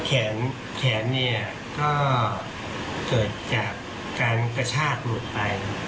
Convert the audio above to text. แขนเนี่ยก็เกิดจากการกระชากหลุดไป